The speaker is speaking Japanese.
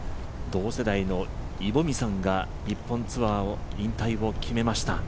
同世代のイ・ボミさんが日本ツアー引退を決めました。